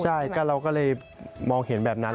ใช่เราก็เลยมองเห็นแบบนั้น